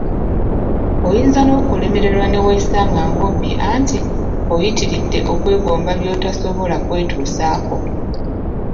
Oyinza n‘okulemererwa ne weesanga ng‘obbye anti ng‘oyitiridde okwegomba by‘otasobola kwetuusaako !